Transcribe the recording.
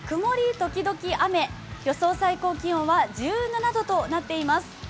時々雨、予想最高気温は１７度となっております。